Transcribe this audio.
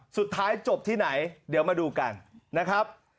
สุดท้ายจบที่ไหนเดี๋ยวมาดูกันนะครับ